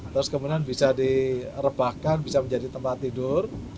terus kemudian bisa direbahkan bisa menjadi tempat tidur